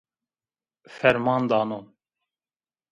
Ferman dano